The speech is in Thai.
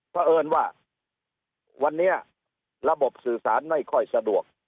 เพราะเอิญว่าวันนี้ระบบสื่อสารไม่ค่อยสะดวก